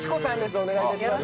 お願い致します。